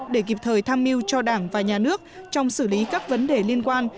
để kịp thời tham mưu cho đảng và nhà nước trong xử lý các vấn đề liên quan